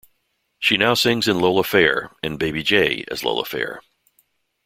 She now sings in Lola Fair and Baby J as Lola Fair.